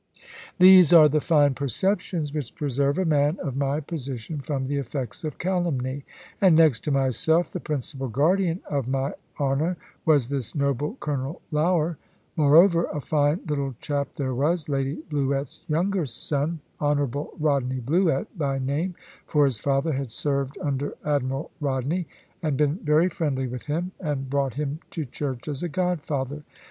These are the fine perceptions which preserve a man of my position from the effects of calumny. And, next to myself, the principal guardian of my honour was this noble Colonel Lougher. Moreover, a fine little chap there was, Lady Bluett's younger son, Honourable Rodney Bluett by name; for his father had served under Admiral Rodney, and been very friendly with him, and brought him to church as a godfather.